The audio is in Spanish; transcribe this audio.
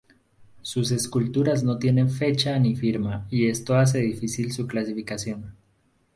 Sus esculturas no tienen fecha ni firma y esto hace difícil su clasificación.